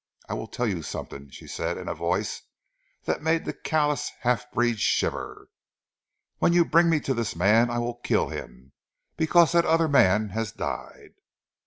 "I will tell you something," she said in a voice that made the callous half breed shiver. "When you bring me to this man I will kill him because that other man has died!"